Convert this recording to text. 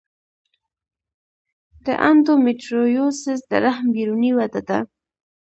د انډومیټریوسس د رحم بیروني وده ده.